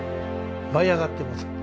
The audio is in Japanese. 舞い上がってます。